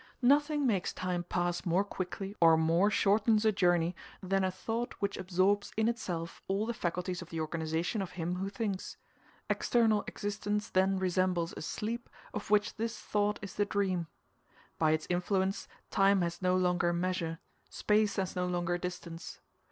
Nothing makes time pass more quickly or more shortens a journey than a thought which absorbs in itself all the faculties of the organization of him who thinks. External existence then resembles a sleep of which this thought is the dream. By its influence, time has no longer measure, space has no longer distance.